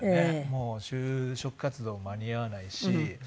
もう就職活動も間に合わないし